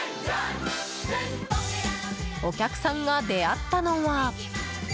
お客さんが出会ったのは。